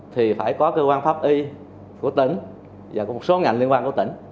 thì phải có cơ quan pháp y của tỉnh và của một số ngành liên quan của tỉnh